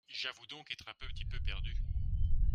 J’avoue donc être un petit peu perdu.